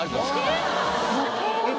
・えっ！